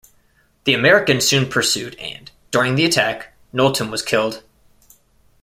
The Americans soon pursued and, during the attack, Knowlton was killed.